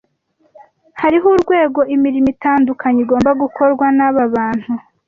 Hariho urwego imirimo itandukanye igomba gukorwa naba bantu